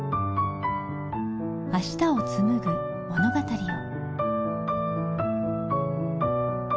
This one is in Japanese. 明日をつむぐ物語を。